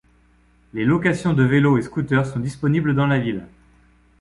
Les location de vélo et scooter sont disponibles dans la ville.